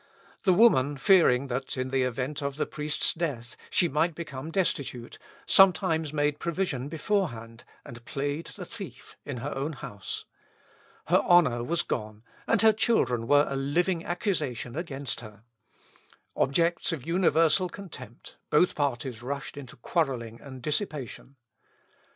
The woman fearing, that, in the event of the priest's death, she might become destitute, sometimes made provision beforehand, and played the thief in her own house. Her honour was gone, and her children were a living accusation against her. Objects of universal contempt, both parties rushed into quarrelling and dissipation.